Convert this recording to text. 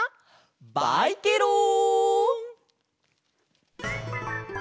バイケロン！